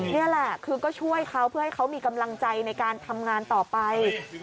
นี่แหละคือก็ช่วยเขาเพื่อให้เขามีกำลังใจในการทำงานต่อไป